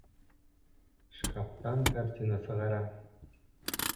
Шкафтан картина сығара.